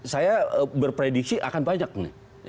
saya berprediksi akan banyak nih